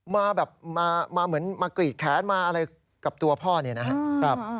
มาแบบมาเหมือนมากรีดแขนมาอะไรกับตัวพ่อเนี่ยนะครับ